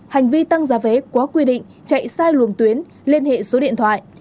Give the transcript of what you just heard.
hành vi tăng giá vé quá quy định chạy sai luồng tuyến liên hệ số điện thoại